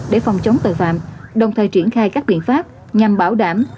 để phòng chống tội phạm đồng thời triển khai các biện pháp nhằm bảo đảm